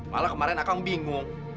malah kemarin akang bingung